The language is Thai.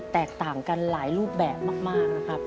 แตกต่างกันหลายรูปแบบมากนะครับ